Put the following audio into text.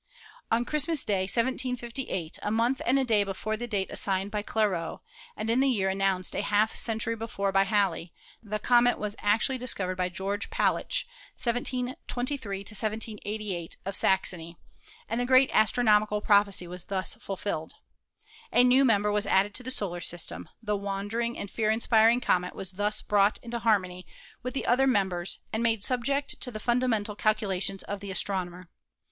On Christmas Day, 1758, a month and a day before the date assigned by Clairaut, and in the year an nounced a half century before by Halley, the comet was actually discovered by George Palitzsch (1723 1788), of Saxony, and the great astronomical prophecy was thus fulfilled. A new member was added to the solar system; the wandering and fear inspiring comet was thus brought into harmony with the other members and made subject to the fundamental calculations of the astronomer.